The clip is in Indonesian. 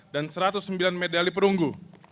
dan juga satu ratus sembilan medali perunggu